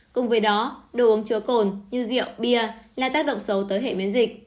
cùng với đó đồ uống chứa cồn như rượu bia là tác động xấu tới hệ miễn dịch